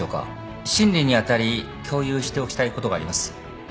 審理に当たり共有しておきたいことがあります。